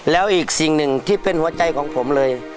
แล้วอีกสิ่งหนึ่งที่เป็นหัวใจของผมเลย